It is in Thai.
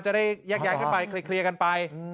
จะได้แยกขึ้นไปเคลียร์กันไป